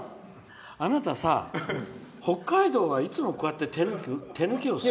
あなたさ、北海道はいつも、こうやって手抜きをする。